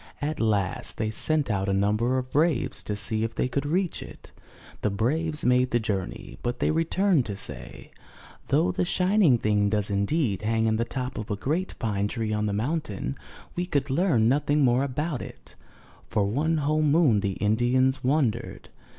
At last they sent out a number of braves to see if they could reach it. The braves made the journey, but they returned to say: 'Though the shining thing does indeed hang in the top of a great pine tree on the mountain, we could learn nothing more about it/* For one whole moon the Indians wondered.